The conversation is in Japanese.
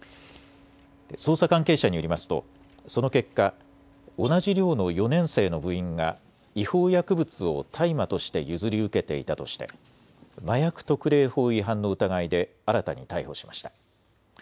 捜査関係者によりますとその結果、同じ寮の４年生の部員が違法薬物を大麻として譲り受けていたとして麻薬特例法違反の疑いで新たに逮捕しました。